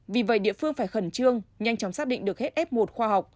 vì vậy địa phương phải khẩn trương nhanh chóng xác định được hết f một khoa học